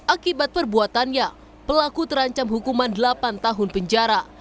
akibat perbuatannya pelaku terancam hukuman delapan tahun penjara